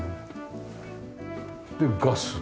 でガス。